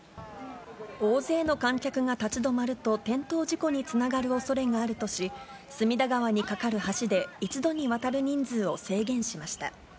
大勢の観客が立ち止まると、転倒事故につながるおそれがあるとし、隅田川に架かる橋で、一度に渡る人数を制限しました。